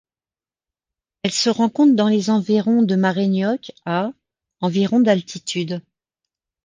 Elle se rencontre dans les environs de Maraynioc à environ d'altitude.